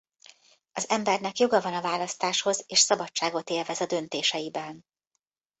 Az embernek joga van a választáshoz és szabadságot élvez a döntéseiben.